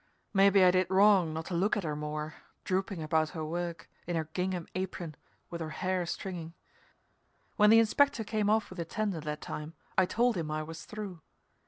Maybe I did wrong not to look at her more, drooping about her work in her gingham apron, with her hair stringing. When the Inspector came off with the tender, that time, I told him I was through.